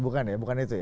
bukan ya bukan itu ya